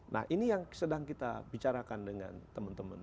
nah ini yang sedang kita bicarakan dengan teman teman